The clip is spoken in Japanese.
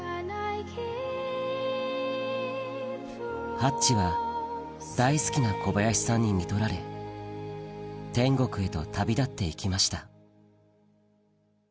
ハッチは大好きな小林さんにみとられ天国へと旅立って行きました